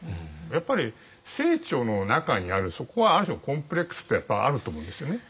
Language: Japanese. やっぱり清張の中にあるそこはある種のコンプレックスってやっぱあると思うんですよね。